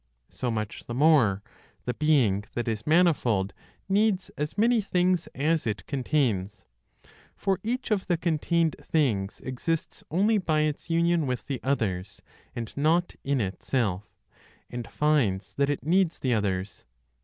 So much the more, the being that is manifold needs as many things as it contains; for each of the contained things exists only by its union with the others, and not in itself, and finds that it needs the others.